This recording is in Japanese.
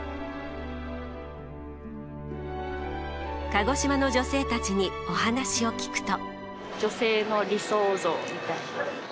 鹿児島の女性たちにお話を聞くと。